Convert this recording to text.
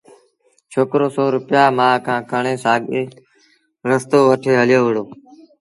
ڇوڪرو سو روپيآ مآ کآݩ کڻي سآڳوئيٚ رستو وٺي هليو وهُڙو